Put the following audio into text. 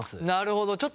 なるほど！